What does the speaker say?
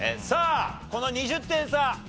さあこの２０点差。